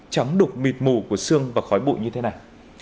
trắng đục mịt mù của sương và khói bụi như thế này